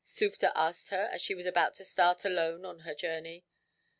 Sufder asked her, as she was about to start alone on her journey.